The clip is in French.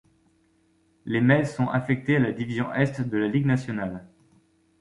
Les Mets sont affectées à la division Est de la Ligue nationale.